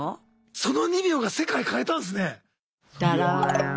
その２秒が世界変えたんですね。